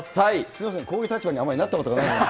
すみません、こういう立場にあまりなったことがないので。